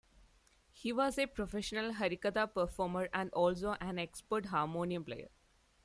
He was a professional Harikatha performer and also an expert Harmonium player.